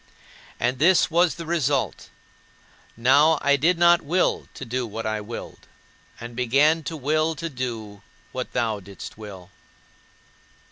And this was the result: now I did not will to do what I willed, and began to will to do what thou didst will.